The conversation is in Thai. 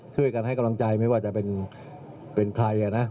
ช่วยกันให้กำลังใจไม่ว่าจะเป็นใครนะ